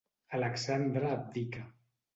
Alexandre abdica.